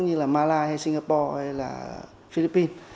như là malay hay singapore hay là philippines